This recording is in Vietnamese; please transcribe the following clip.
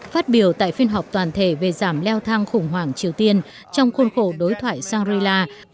phát biểu tại phiên họp toàn thể về giảm leo thang khủng hoảng triều tiên trong khuôn khổ đối thoại shangri la